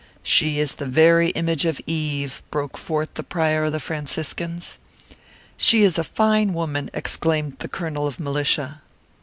"She is the very image of Eve," broke forth the prior of the Franciscans. "She is a fine woman," exclaimed the colonel of militia.